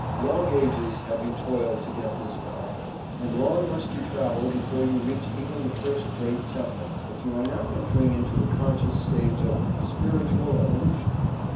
Long ages have you toiled to get this far, and long must you travel before you reach even the first Great Temple, but you are now entering into the conscious stage of Spiritual Evolution.